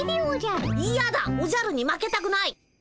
いやだおじゃるに負けたくない。